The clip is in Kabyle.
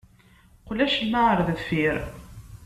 Qqel acemma ɣer deffir.